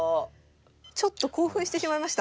ちょっと興奮してしまいました。